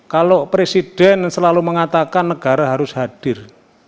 kalau presiden selalu mengatakan negara harus hadir